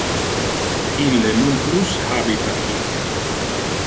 Ille non plus habita hic.